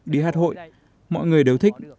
đi hát hội mọi người đều thích